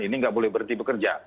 ini nggak boleh berhenti bekerja